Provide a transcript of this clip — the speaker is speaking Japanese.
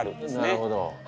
なるほど。